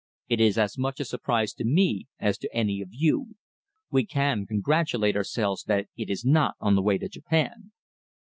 It is as much a surprise to me as to any of you. We can congratulate ourselves that it is not on the way to Japan."